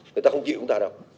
người ta không chịu chúng ta đâu